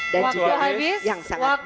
dan juga habis yang sangat baik